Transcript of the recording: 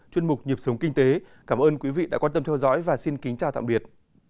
chuyên mục nhịp sống kinh tế cảm ơn quý vị đã quan tâm theo dõi và xin kính chào tạm biệt